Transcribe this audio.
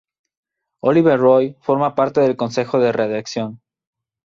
Olivier Roy forma parte del consejo de redacción.